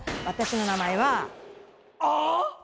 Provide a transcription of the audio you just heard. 私の名前はあぁ